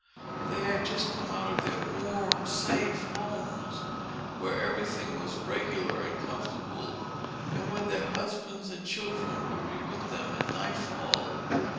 They had just come out of their warm, safe homes, where every thing was regular and comfortable, and where their husbands and children would be with them at night fall.